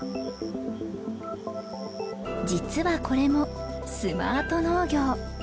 実はこれもスマート農業。